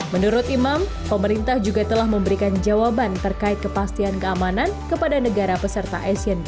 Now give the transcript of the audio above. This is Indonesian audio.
menurut imam pemerintah juga telah memberikan jawaban terkait kepastian keamanan kepada negara peserta asian games